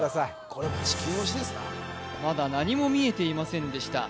これ地球押しですなまだ何も見えていませんでした・